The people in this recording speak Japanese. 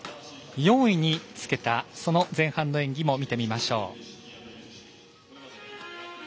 ４位につけた前半の演技も見てみましょう。